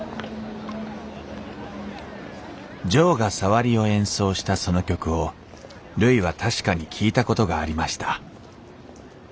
ジョーがさわりを演奏したその曲をるいは確かに聴いたことがありました。